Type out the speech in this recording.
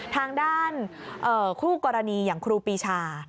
ทางด้านคู่กรณีอย่างครูปีชา